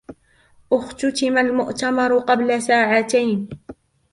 أُختتم المؤتمر قبل ساعتين.